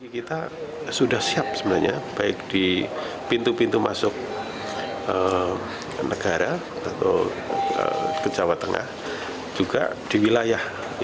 kita sudah siap sebenarnya baik di pintu pintu masuk negara atau ke jawa tengah juga di wilayah